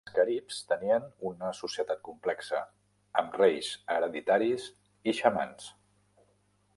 Els caribs tenien una societat complexa, amb reis hereditaris i xamans.